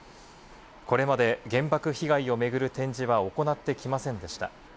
これまで原爆被害を巡る展示は行ってきませんでした。